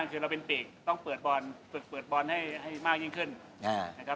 ชุดเราต้องมองไปที่ระดับโลกเท่านั้นแล้วครับ